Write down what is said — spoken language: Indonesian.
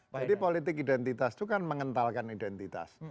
jadi politik identitas itu kan mengentalkan identitas